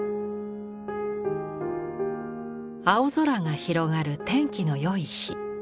青空が広がる天気の良い日。